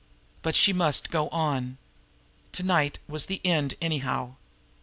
But she must go on. To night was the end, anyhow.